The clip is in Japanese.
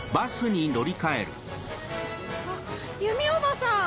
あっ由美おばさん！